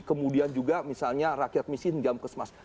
kemudian juga misalnya rakyat miskin jam kesmas